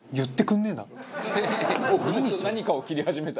「黙々と何かを切り始めた」